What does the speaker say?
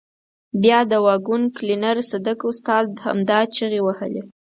بیا د واګون کلینر صدک استاد همدا چیغې وهلې.